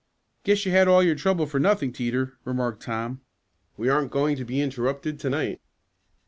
"Guess you had all your trouble for nothing, Teeter," remarked Tom. "We aren't going to be interrupted to night."